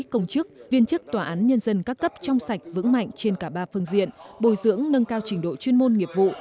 công chức viên chức tòa án nhân dân các cấp trong sạch vững mạnh trên cả ba phương diện bồi dưỡng nâng cao trình độ chuyên môn nghiệp vụ